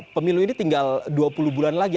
pemilu ini tinggal dua puluh bulan lagi